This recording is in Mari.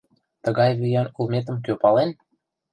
— Тыгай виян улметым кӧ пален?